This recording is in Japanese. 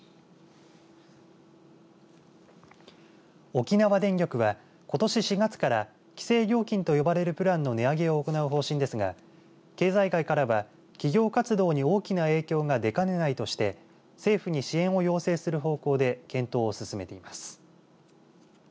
沖縄電力は、ことし４月から規制料金と呼ばれるプランの値上げを行う方針ですが経済界からは企業活動に大きな影響が出かねないとして政府に支援の要請を行う方向で検討を進めています。